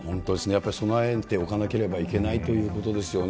やっぱり備えておかなければいけないということですよね。